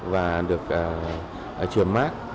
và được trường mát